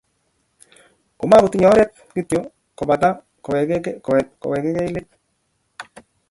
Komakotinyei oret kityo kobate kowekei let